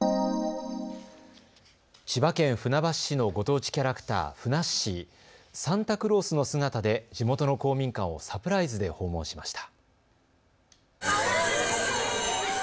千葉県船橋市のご当地キャラクター、ふなっしー、サンタクロースの姿で地元の公民館をサプライズで訪問しました。